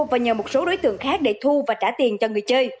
và nhờ một số đối tượng khác để thu và trả tiền cho người chơi